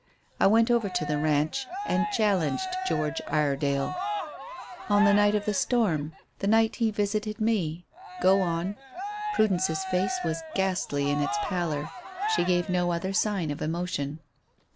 I went over to the ranch and challenged George Iredale " "On the night of the storm. The night he visited me. Go on." Prudence's face was ghastly in its pallor. She gave no other sign of emotion.